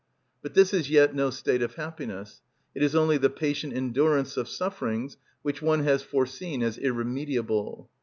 But this is yet no state of happiness; it is only the patient endurance of sufferings which one has foreseen as irremediable.